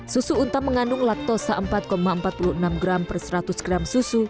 susu unta mengandung laktosa empat empat puluh enam gram per seratus gram susu